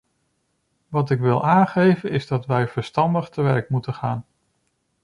Wat ik wil aangeven is dat wij verstandig te werk moeten gaan.